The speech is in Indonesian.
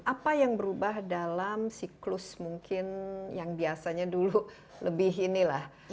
apa yang berubah dalam siklus mungkin yang biasanya dulu lebih inilah